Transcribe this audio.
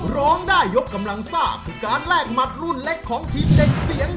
ร้องได้ยกกำลังซ่าคือการแลกหมัดรุ่นเล็กของทีมเด็กเสียง